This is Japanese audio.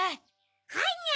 はいにゃ！